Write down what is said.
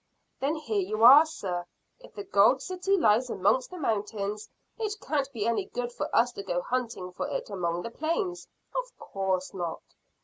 "Then here you are, sir: if the gold city lies amongst the mountains it can't be any good for us to go hunting for it among the plains." "Of course not."